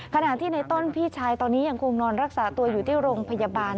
ขณะที่ในต้นพี่ชายตอนนี้ยังคงนอนรักษาตัวอยู่ที่โรงพยาบาล